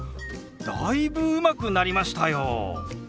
だいぶうまくなりましたよ！